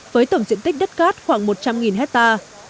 với tổng diện tích đất cát khoảng một trăm linh hectare